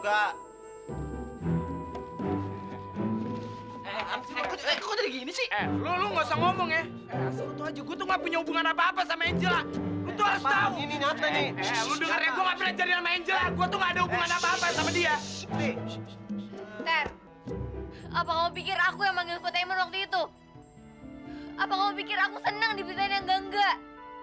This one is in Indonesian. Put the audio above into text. apa kamu pikir aku senang diberitanya enggak enggak